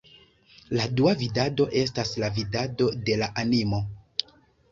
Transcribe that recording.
La dua vidado estas la vidado de la animo.